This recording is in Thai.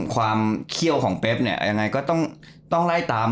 ความเขี้ยวของเปฟเนี่ยยังไงก็ต้องไล่ตาม